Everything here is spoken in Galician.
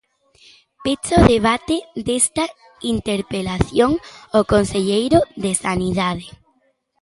Pecha o debate desta interpelación o conselleiro de Sanidade.